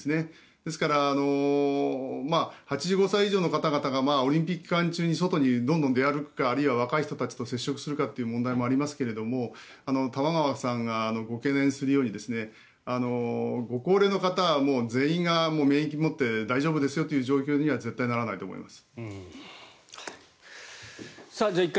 ですから８５歳以上の方々がオリンピック期間中に外にどんどん出歩くかあるいは若い人たちと接触するかという問題もありますが玉川さんがご懸念するようにご高齢の方はもう全員が免疫を持って大丈夫ですよという状況には絶対にならないと思います。